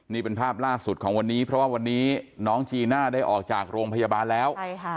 นี่เป็นภาพล่าสุดของวันนี้เพราะว่าวันนี้น้องจีน่าได้ออกจากโรงพยาบาลแล้ว